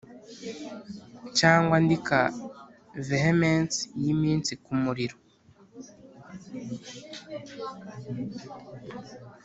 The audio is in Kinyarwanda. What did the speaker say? cyangwa andika vehemence yimitsi kumuriro?